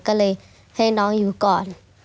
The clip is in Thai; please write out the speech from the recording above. ก็เลยให้น้องอยู่ก่อน